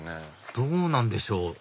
どうなんでしょう？